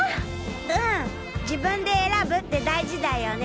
うん自分で選ぶって大事だよね。